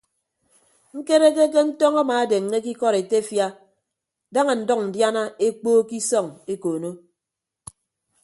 Ñkereke ke ntọñ amaadeññe ke ikọd etefia daña ndʌñ ndiana ekpookko isọñ ekoono.